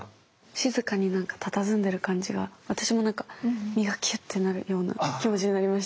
静かにたたずんでる感じが私もなんか身がきゅっとなるような気持ちになりました。